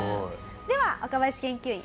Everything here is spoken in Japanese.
では若林研究員